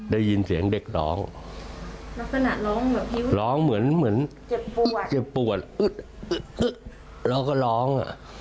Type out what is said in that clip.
ได้ยินเสียงเด็กร้องร้องเหมือนเจ็บปวดแล้วก็ร้อง